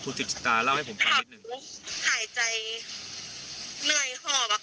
คุณจิตจิตาเล่าให้ผมค่ะนิดหนึ่งครับหายใจเหนื่อยห้อป่าวครับ